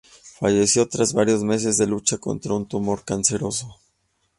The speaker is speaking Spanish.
Falleció, tras varios meses de lucha contra un tumor canceroso.